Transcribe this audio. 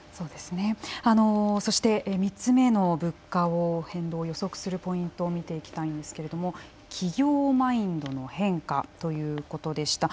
あのそして３つ目の物価を変動を予測するポイントを見ていきたいんですけれども企業マインドの変化ということでした。